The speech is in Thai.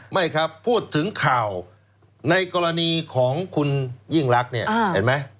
ไม่ครับพูดถึงข่าวในกรณีของคุณยิ่งรักเนี่ยเห็นไหม